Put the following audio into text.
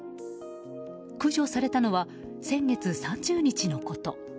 駆除されたのは先月３０日のこと。